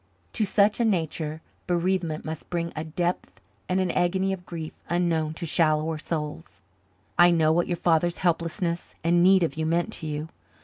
To such a nature bereavement must bring a depth and an agony of grief unknown to shallower souls. I know what your father's helplessness and need of you meant to you.